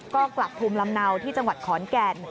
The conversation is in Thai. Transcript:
ก็กลับภูมิลำเนาที่จังหวัดขอนแก่น